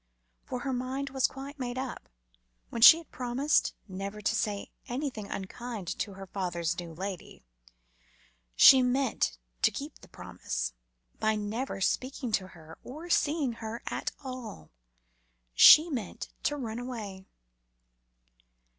For her mind was quite made up. When she had promised never to say anything unkind to her "father's new lady," she meant to keep the promise by never speaking to her or seeing her at all. She meant to run away.